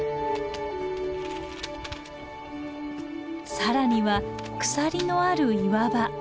更には鎖のある岩場。